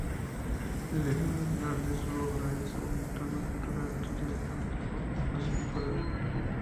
El eje medular de su obra es el entorno cultural, social, político, espacio- temporal.